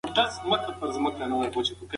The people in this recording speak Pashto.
د ناروغۍ پر مهال مایعات ډېر وڅښئ.